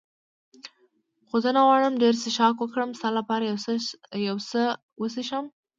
خو زه نه غواړم ډېر څښاک وکړم، ستا لپاره یو څه څښم.